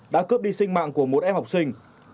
đã cướp đi sinh mạng của một em học sinh